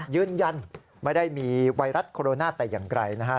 ยืนยันไม่ได้มีไวรัสโคโรนาแต่อย่างไกลนะฮะ